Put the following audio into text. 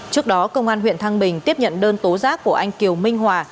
trước đó công an huyện thăng bình tiếp nhận đơn tố giác của anh kiều minh hòa